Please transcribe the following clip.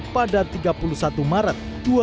pada tiga puluh satu maret dua ribu dua puluh